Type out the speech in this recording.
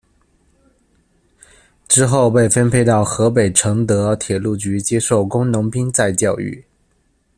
之后被分配到河北承德铁路局接受“工农兵再教育”。